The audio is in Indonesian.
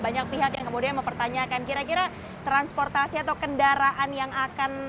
banyak pihak yang kemudian mempertanyakan kira kira transportasi atau kendaraan yang akan